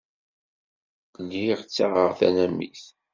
Lliɣ ttaɣeɣ tanamit.